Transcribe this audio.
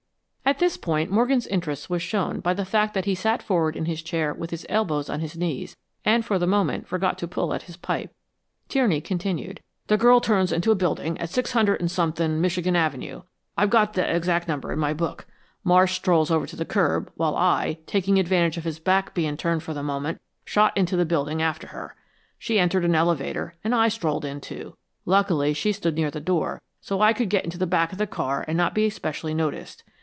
At this point Morgan's interest was shown by the fact that he sat forward in his chair with his elbows on his knees, and for the moment forgot to pull at his pipe. Tierney continued. "The girl turns into a building at six hundred and something Michigan Avenue I've got the exact number in my book. Marsh strolls over to the curb, while I, taking advantage of his back being turned for the moment, shot into the building after her. She entered an elevator, and I strolled in, too. Luckily, she stood near the door, so I could get into the back of the car and not be specially noticed.